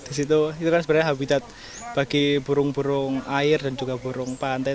di situ itu kan sebenarnya habitat bagi burung burung air dan juga burung pantai